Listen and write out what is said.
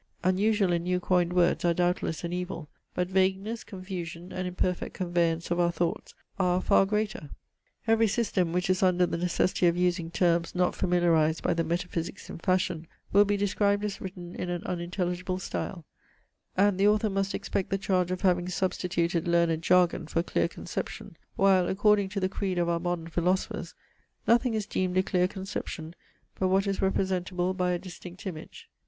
Unusual and new coined words are doubtless an evil; but vagueness, confusion, and imperfect conveyance of our thoughts, are a far greater. Every system, which is under the necessity of using terms not familiarized by the metaphysics in fashion, will be described as written in an unintelligible style, and the author must expect the charge of having substituted learned jargon for clear conception; while, according to the creed of our modern philosophers, nothing is deemed a clear conception, but what is representable by a distinct image.